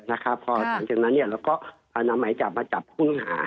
แล้วก็พนัมไม้จะมาจับภูมิหา